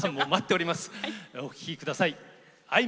お聴きください。